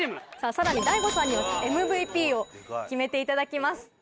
さらに大悟さんにはＭＶＰを決めていただきます。